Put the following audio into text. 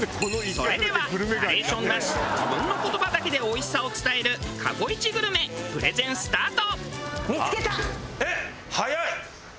それではナレーションなし自分の言葉だけでおいしさを伝える過去イチグルメプレゼンスタート。